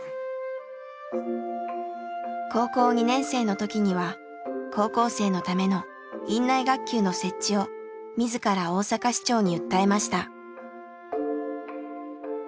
高校２年生の時には高校生のための院内学級の設置を自ら大阪市長に訴えました。